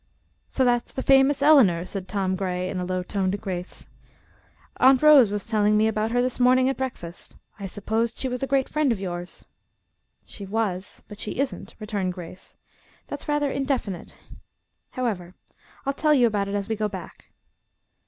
"So that's the famous Eleanor?" said Tom Gray in a low tone to Grace. "Aunt Rose was telling me about her this morning at breakfast. I supposed she was a great friend of yours." "She was, but she isn't," returned Grace. "That's rather indefinite. However, I'll tell you about it as we go back."